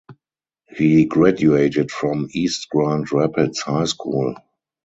He graduated from East Grand Rapids High School.